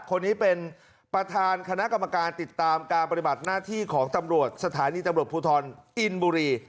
คนนี้เป็นประธานคณะกรรมการติดตามการปฏิบัติหน้าที่ของตำรวจสถานีตำรวจภูทรอินบุรี